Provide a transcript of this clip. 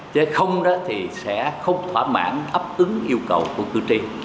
chứ không đó thì sẽ không thỏa mãn ấp ứng yêu cầu của cử tri